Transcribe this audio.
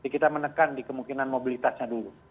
kita menekan di kemungkinan mobilitasnya dulu